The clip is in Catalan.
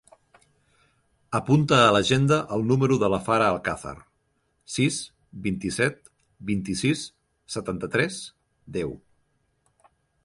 Apunta a l'agenda el número de la Farah Alcazar: sis, vint-i-set, vint-i-sis, setanta-tres, deu.